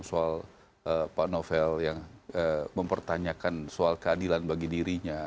soal pak novel yang mempertanyakan soal keadilan bagi dirinya